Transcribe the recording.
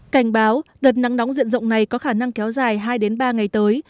cảnh báo đợt nắng nóng diện rộng này có khả năng kéo dài hai ba ngày tới